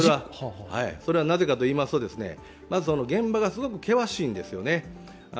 それは、なぜかといいますとまず、現場がすごく険しいんですよね。